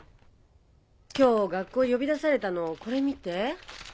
今日学校に呼び出されたのこれ見て。